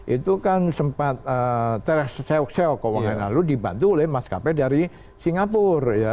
itu kan sempat terseuk seuk keuangan lalu dibantu oleh maskapai dari singapura ya